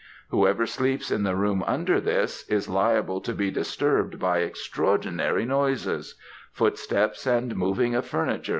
Whoever sleeps in the room under this, is liable to be disturbed by extraordinary noises footsteps and moving of furniture, &c.